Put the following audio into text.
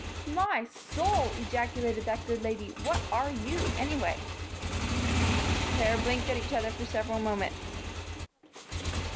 "My soul!" ejaculated that good lady, "what are you, anyway?" The pair blinked at each other for several moments.